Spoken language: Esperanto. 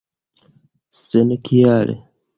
senkiale